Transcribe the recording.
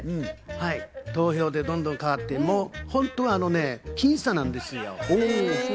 投票でどんどん変わって、本当に僅差なんですよ。